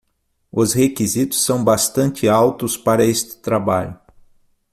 Os requisitos são bastante altos para este trabalho.